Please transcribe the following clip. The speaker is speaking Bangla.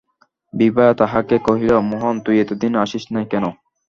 বিভা তাহাকে কহিল, মোহন, তুই এতদিন আসিস নাই কেন?